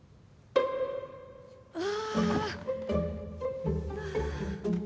ああ。